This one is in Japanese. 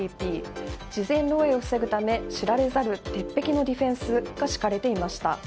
事前漏洩を防ぐため知られざる鉄壁のディフェンスが敷かれていました。